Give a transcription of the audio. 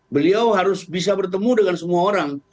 beliau harus bisa bertemu dengan semua orang